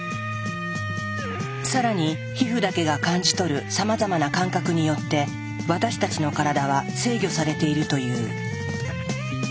更に皮膚だけが感じ取るさまざまな感覚によって私たちの体は制御されているという。